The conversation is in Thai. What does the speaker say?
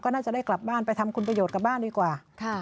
น่าจะได้กลับบ้านไปทำคุณประโยชน์กับบ้านดีกว่า